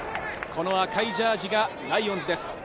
赤いジャージーがライオンズです。